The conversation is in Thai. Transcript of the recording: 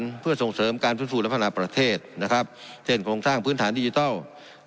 พื้นฐานเพื่อส่งเสริมการสูญภูมิและพันธ์ประเทศนะครับเส้นของสร้างพื้นฐานดิจิทัล